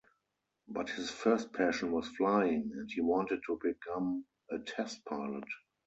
But his first passion was flying, and he wanted to become a test pilot.